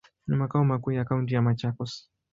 Ni makao makuu ya kaunti ya Machakos.